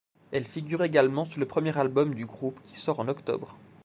Elle figure également sur le premier album du groupe, qui sort en octobre.